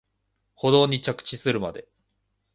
舗道に着地するまで